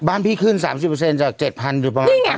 บ้านพี่ขึ้น๓๐จาก๗๐๐๐หรือบางครั้งนี้๑๐๐๐๐ต้น